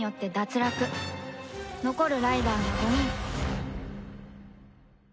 残るライダーは５人